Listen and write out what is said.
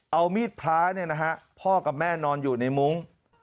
เอามีดพระพ่อกับแม่นอนอยู่ในมุ้ง